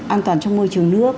an toàn trong môi trường nước